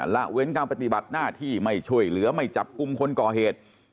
ละเว้นการปฏิบัติหน้าที่ไม่ช่วยเหลือไม่จับกลุ่มคนก่อเหตุ